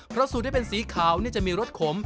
เพราะสูตรที่เป็นสีขาวเดี๋ยวพริกแกงกันจะมีรสขม